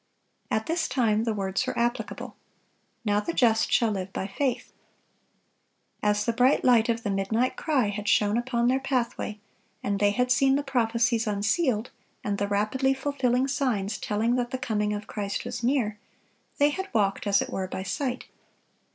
At this time the words were applicable, "Now the just shall live by faith." As the bright light of the "midnight cry" had shone upon their pathway, and they had seen the prophecies unsealed, and the rapidly fulfilling signs telling that the coming of Christ was near, they had walked, as it were, by sight.